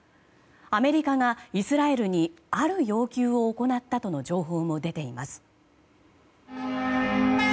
アメリカがイスラエルにある要求を行ったとの情報も出ています。